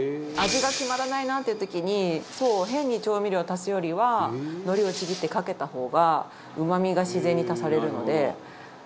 味が決まらないなっていう時に変に調味料を足すよりは海苔をちぎってかけた方がうまみが自然に足されるので。